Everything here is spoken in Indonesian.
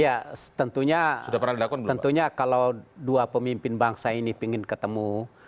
ya tentunya kalau dua pemimpin bangsa ini ingin ketemu